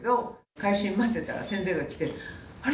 回診待ってたら先生が来て、あれ？